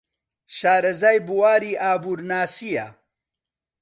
شارەزای بواری ئابوورناسییە.